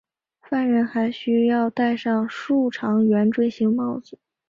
犯人还需要戴上竖长圆锥形帽子。